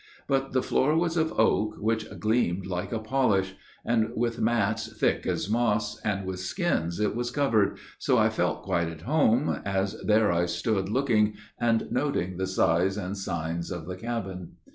But the floor was of oak, which gleamed like a polish; And with mats thick as moss, and with skins it was covered, So I felt quite at home, as there I stood looking, And noting the size and signs of the cabin.